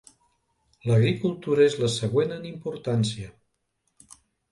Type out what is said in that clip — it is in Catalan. L'agricultura és la següent en importància.